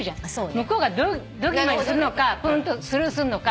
向こうがドギマギするのかスルーするのか。